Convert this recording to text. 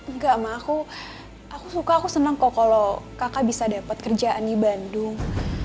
enggak sama aku aku suka aku senang kok kalau kakak bisa dapat kerjaan di bandung